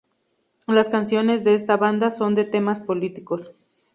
Las canciones de esta banda son de temas políticos.